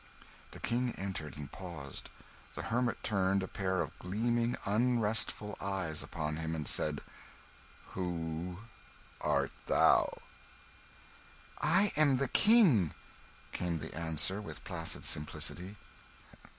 The King entered, and paused. The hermit turned a pair of gleaming, unrestful eyes upon him, and said "Who art thou?" "I am the King," came the answer, with placid simplicity.